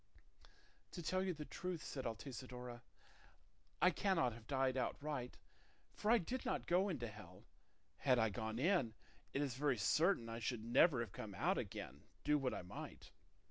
"To tell you the truth," said Altisidora, "I cannot have died outright, for I did not go into hell; had I gone in, it is very certain I should never have come out again, do what I might.